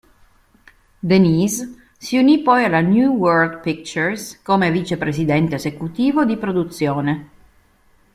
Denise si unì poi alla New World Pictures come vicepresidente esecutivo di produzione.